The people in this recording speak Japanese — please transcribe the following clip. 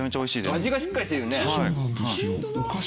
味がしっかりしてるよね。